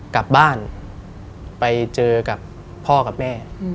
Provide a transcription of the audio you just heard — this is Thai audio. กลับบ้านไปเจอกับพ่อกับแม่